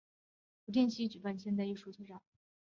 不定期举办现代艺术特展。